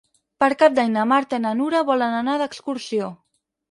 Per Cap d'Any na Marta i na Nura volen anar d'excursió.